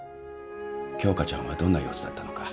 鏡花ちゃんはどんな様子だったのか。